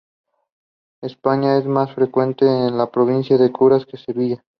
En España es más frecuente en las provincias de La Coruña y Sevilla.